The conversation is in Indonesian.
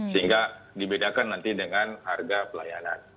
sehingga dibedakan nanti dengan harga pelayanan